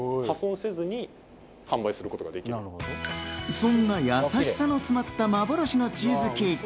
そんな優しさの詰まった幻のチーズケーキ。